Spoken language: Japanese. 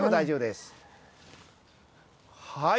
はい。